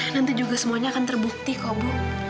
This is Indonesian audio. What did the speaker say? nanti juga semuanya akan terbukti kok bu